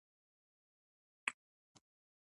په دې جدول کې ټول څو عناصر پیژندل شوي دي